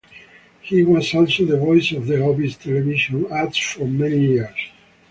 He was also the voice of the "Hovis" television ads for many years.